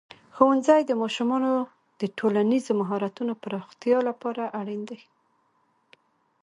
ښوونځی د ماشومانو د ټولنیزو مهارتونو پراختیا لپاره اړین دی.